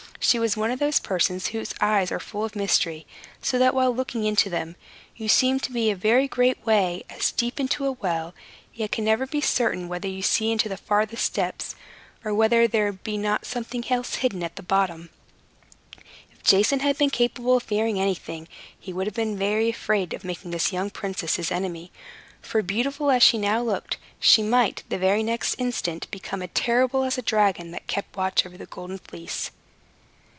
She was one of those persons whose eyes are full of mystery; so that, while looking into them, you seem to see a very great way, as into a deep well, yet can never be certain whether you see into the farthest depths, or whether there be not something else hidden at the bottom. If Jason had been capable of fearing anything, he would have been afraid of making this young princess his enemy; for, beautiful as she now looked, she might, the very next instant, become as terrible as the dragon that kept watch over the Golden Fleece.